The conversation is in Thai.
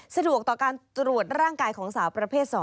สะดวกต่อการตรวจร่างกายของสาวประเภท๒